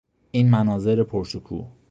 این مناظر پرشکوه